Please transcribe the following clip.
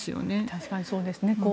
確かにそうですね。